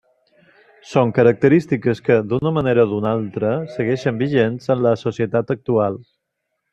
Són característiques que, d'una manera o d'una altra, segueixen vigents en la societat actual.